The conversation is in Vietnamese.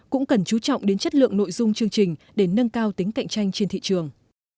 cũng cần chú trọng đến chất lượng nội dung chương trình để nâng cao tính cạnh tranh trên thị trường